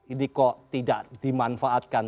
ini kok tidak dimanfaatkan